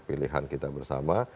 pilihan kita bersama